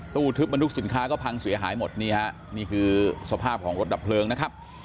ทึบบรรทุกสินค้าก็พังเสียหายหมดนี่ฮะนี่คือสภาพของรถดับเพลิงนะครับ